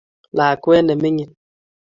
Lakwet ne mining